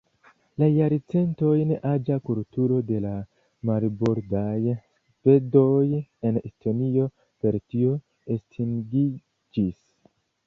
La jarcentojn aĝa kulturo de la "marbordaj svedoj" en Estonio per tio estingiĝis.